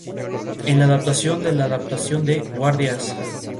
En la adaptación de la adaptación de "¡Guardias!